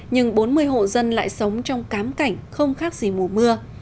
nhưng bốn mươi hộ dân lại sống trong cám cảnh không khác gì mùa mưa